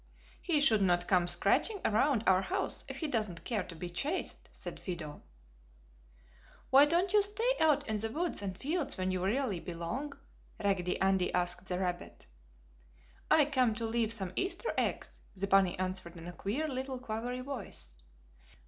"He should not come scratching around our house if he doesn't care to be chased!" said Fido. "Why don't you stay out in the woods and fields where you really belong?" Raggedy Andy asked the rabbit. "I came to leave some Easter eggs!" the bunny answered in a queer little quavery voice.